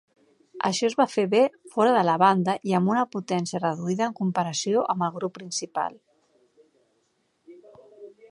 Això es va fer bé fora de la banda i amb una potència reduïda en comparació amb el grup principal.